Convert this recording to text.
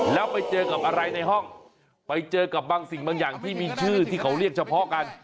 แล้วไปเจอกับอะไรในห้องไปเจอกับบางสิ่งบางอย่างที่มีชื่อที่เขาเรียกเฉพาะกัน